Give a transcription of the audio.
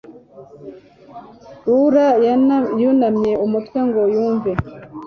Laura yunamye umutwe ngo yumve